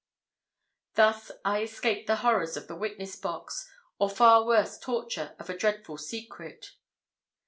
Thus I escaped the horrors of the witness box, or the far worse torture of a dreadful secret.